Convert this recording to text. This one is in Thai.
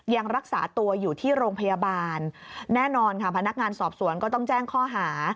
ยังรักษาตัวอยู่ที่โรงพยาบาลแน่นอนค่ะพนักงานสอบสวนก็ต้องแจ้งข้อหา